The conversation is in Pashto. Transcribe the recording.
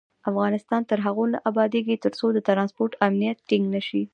افغانستان تر هغو نه ابادیږي، ترڅو د ترانسپورت امنیت ټینګ نشي.